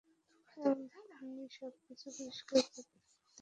আমি সবকিছু পরিষ্কার দেখতে পাচ্ছি।